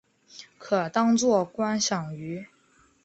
可当作观赏鱼。